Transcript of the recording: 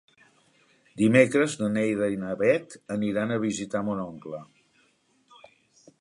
Dimecres na Neida i na Bet aniran a visitar mon oncle.